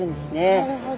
なるほど。